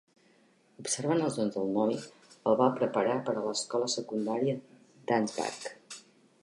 Observant els dons del noi, el va preparar per a l'escola secundària d'Ansbach.